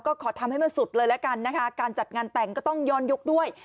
ก็ขอทำให้มันสุดเลยละกันนะคะการจัดงานแต่งก็ต้องย้อนยุคด้วย